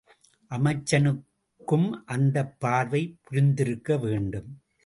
அமைச்சனுக்கும் அந்தப் பார்வை புரிந்திருக்க வேண்டும்.